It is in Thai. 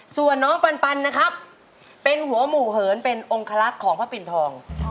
ส่วนน้องปันนะครับเป็นหัวหมู่เหินเป็นองคลักษณ์ของพระปิ่นทอง